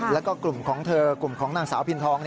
แล้วก็กลุ่มของเธอกลุ่มของนางสาวพินทอง